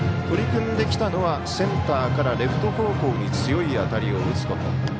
取り組んできたのはセンターからレフト方向に強い当たりを打つこと。